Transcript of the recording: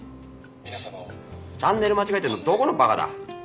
チャンネル間違えてるのどこのバカだ？